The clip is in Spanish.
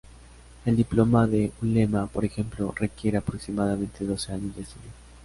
El diploma de ulema, por ejemplo, requiere aproximadamente doce años de estudio.